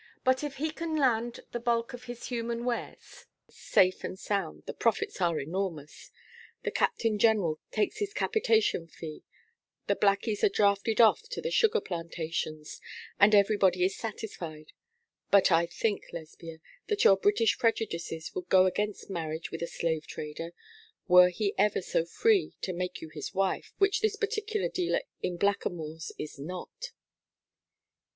But if he can land the bulk of his human wares safe and sound the profits are enormous. The Captain General takes his capitation fee, the blackies are drafted off to the sugar plantations, and everybody is satisfied; but I think, Lesbia, that your British prejudices would go against marriage with a slave trader, were he ever so free to make you his wife, which this particular dealer in blackamoors is not.'